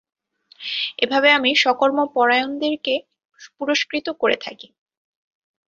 এভাবে আমি সকর্ম পরায়ণদেরকে পুরস্কৃত করে থাকি।